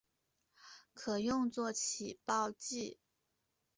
可用作起爆剂。